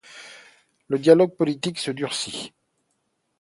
Le dialogue politique se durcit.